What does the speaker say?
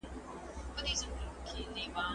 کتاب او چاپېريال دواړه بايد په پوره دقت ولوستل سي.